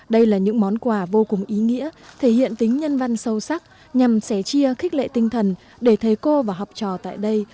đây là những món quà vô cùng ý nghĩa thể hiện tính nhân văn sâu sắc nhằm sẻ chia khích lệ tinh thần để thầy cô và học trò tại đây